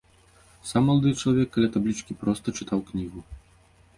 Сам малады чалавек каля таблічкі проста чытаў кнігу.